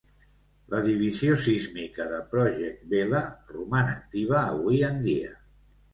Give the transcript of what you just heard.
La divisió sísmica de Project Vela roman activa avui en dia.